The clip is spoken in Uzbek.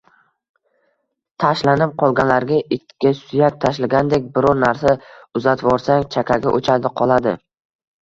Tashlanib qolganlarga itga suyak tashlagandek biror narsa uzatvorsang, chakagi o`chadi-qoladi